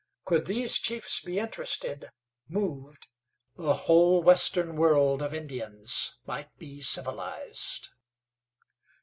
Could these chiefs be interested, moved, the whole western world of Indians might be civilized.